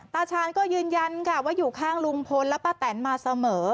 ตาชาญก็ยืนยันค่ะว่าอยู่ข้างลุงพลและป้าแตนมาเสมอ